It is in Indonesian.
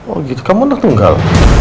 oh gitu kamu sudah tinggal